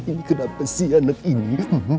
ini kenapa si anak ini